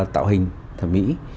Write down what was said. tạo hình thẩm mỹ